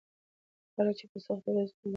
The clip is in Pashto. هغه خلک چې په سختو ورځو کې ولاړ دي.